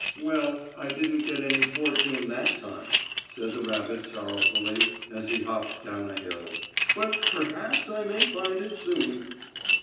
"Well, I didn't get any fortune that time," said the rabbit sorrowfully as he hopped down a hill. "But perhaps I may find it soon."